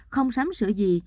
không sắm sửa gì